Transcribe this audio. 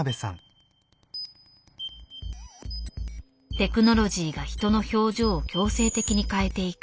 テクノロジーが人の表情を強制的に変えていく。